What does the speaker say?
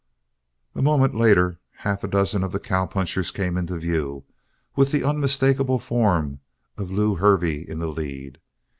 A moment later half a dozen of the cowpunchers came into view with the unmistakable form of Lew Hervey in the lead.